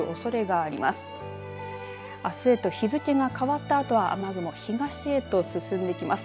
あすへと日付が変わったあとは雨雲東へと進んでいきます。